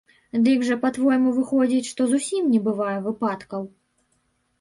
Дык жа, па-твойму, выходзіць, што зусім не бывае выпадкаў?